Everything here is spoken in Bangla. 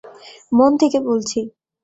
মন থেকে বলছি!